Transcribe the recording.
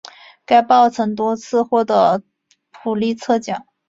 该报曾多次获得普利策奖。